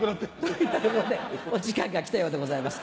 といったところでお時間がきたようでございます。